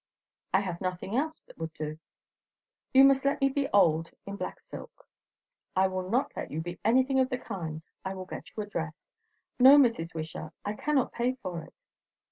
"I have nothing else that would do. You must let me be old, in a black silk." "I will not let you be anything of the kind. I will get you a dress." "No, Mrs. Wishart; I cannot pay for it."